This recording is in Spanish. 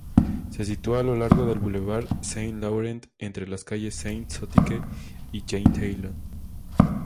Se sitúa a lo largo del boulevard Saint-Laurent entre las calles Saint-Zotique y Jean-Talon.